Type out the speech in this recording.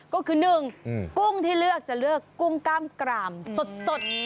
ก็คือ๑กุ้งที่เลือกจะเลือกกุ้งกล้ามกรามสด